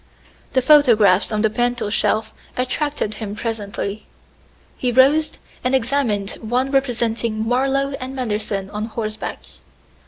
The photographs on the mantel shelf attracted him presently. He rose and examined one representing Marlowe and Manderson on horseback.